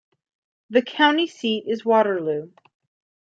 The county seat is Waterloo.